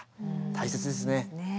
大切ですね。